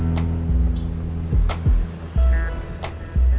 terus aku mau pergi ke rumah